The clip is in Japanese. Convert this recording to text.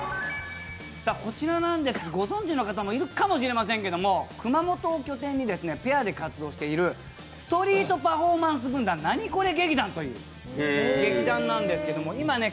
こちらなんです、ご存じの方もいるかもしれないですけど熊本を拠点にペアで活動しているストリートパフォーマンス軍団ナニコレ？